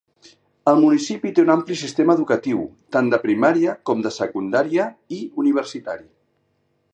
El municipi té un ampli sistema educatiu, tant de primària com de secundària i universitari.